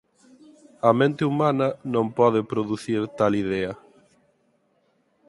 A mente humana non pode producir tal idea.